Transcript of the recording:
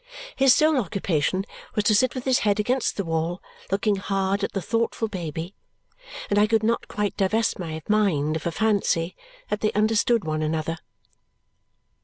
His sole occupation was to sit with his head against the wall, looking hard at the thoughtful baby; and I could not quite divest my mind of a fancy that they understood one another.